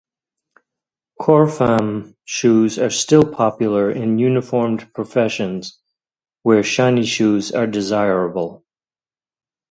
Corfam shoes are still popular in uniformed professions where shiny shoes are desirable.